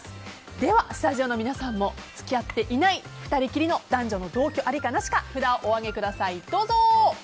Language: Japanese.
では、スタジオの皆さんも付き合っていない２人の男女の同居ありかなしか札をお上げください。